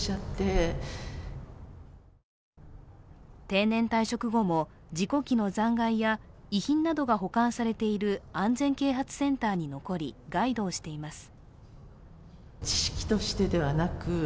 定年退職後も事故機の残骸や遺品などが保管されている安全啓発センターに残りガイドをしています。